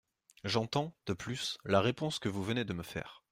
J’entends, de plus, la réponse que vous venez de me faire.